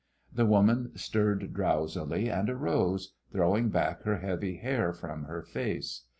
The woman stirred drowsily and arose, throwing back her heavy hair from her face.